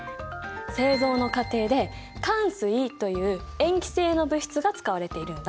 製造の過程でかん水という塩基性の物質が使われているんだ。